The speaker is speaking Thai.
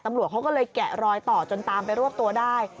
ตำรวจเขาก็เลยแกะรอยต่อจนตามไปรวบตัวได้